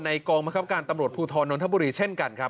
กองบังคับการตำรวจภูทรนนทบุรีเช่นกันครับ